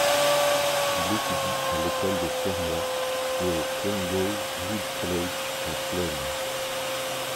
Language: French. Il étudie à l'école de Fermoy et au Clongowes Wood College, à Clane.